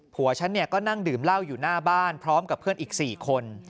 ผัวฉันก็นั่งดื่มเหล้าอยู่หน้าบ้านพร้อมกับเพื่อนอีก๔คน